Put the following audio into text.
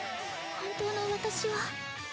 本当の私は。